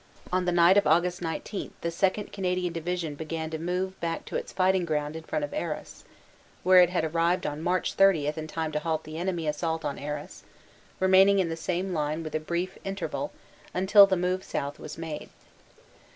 On the night of Aug. 19 the 2nd. Canadian Division began to move back to its fighting ground in front of Arras, where it had arrived on March 30 in time to halt the enemy assault on Arras, remaining in the same line with a brief inter val until the move south was made.